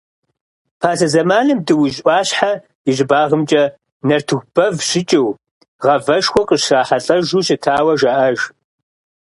Пасэ зэманым Дуужь ӏуащхьэ и щӏыбагъымкӏэ нартыху бэв щыкӏыу, гъавэшхуэ къыщрахьэлӏэжу щытауэ жаӏэж.